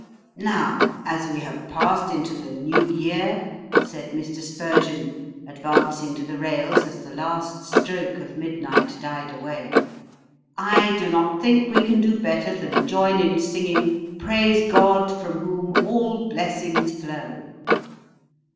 "Now, as we have passed into the New Year," said Mr. Spurgeon, advancing to the rails as the last stroke of midnight died away, "I do not think we can do better than join in singing 'Praise God from whom all blessings flow.'"